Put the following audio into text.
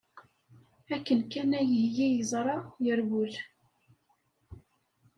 Akken kan ay iyi-yeẓra, yerwel.